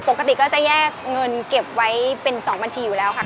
ปกติก็จะแยกเงินเก็บไว้เป็น๒บัญชีอยู่แล้วค่ะ